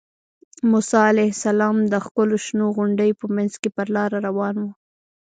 موسی علیه السلام د ښکلو شنو غونډیو په منځ کې پر لاره روان و.